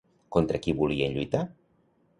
Contra qui volien lluitar?